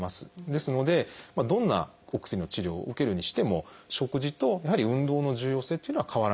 ですのでどんなお薬の治療を受けるにしても食事とやはり運動の重要性っていうのは変わらない。